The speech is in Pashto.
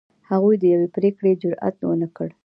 هغوی د یوې پرېکړې جرئت ونه کړ.